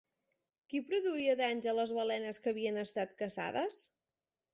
Qui produïa danys a les balenes que havien estat caçades?